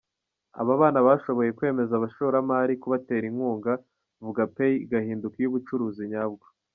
Aba bana bashoboye kwemeza abashoramari kubatera inkunga VugaPay igahinduka iy’ubucuruzi nyabwo.